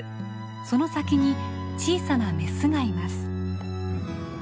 その先に小さなメスがいます。